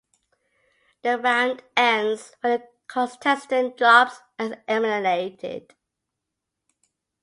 The round ends when a contestant drops and is eliminated.